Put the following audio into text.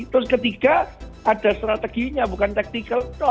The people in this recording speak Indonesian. terus ketiga ada strateginya bukan tactical